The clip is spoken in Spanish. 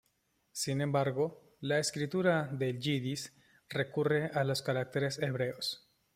Sin embargo, la escritura del yidis recurre a los caracteres hebreos.